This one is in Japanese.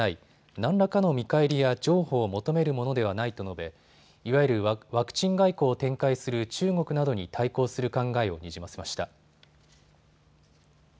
何らかの見返りや譲歩を求めるものではないと述べいわゆるワクチン外交を展開する中国などに対抗する考えをにじませました。